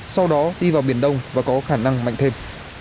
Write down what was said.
sau đó đi vào biển đông và có khả năng mạnh thêm